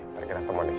mari kita ketemu disana